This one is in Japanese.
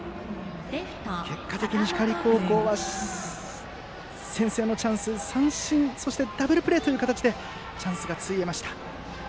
結果的に光高校は先制のチャンス三振、ダブルプレーという形でチャンスがついえました。